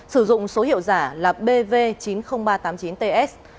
sử dụng số hiệu giả là bv chín mươi nghìn ba trăm tám mươi chín ts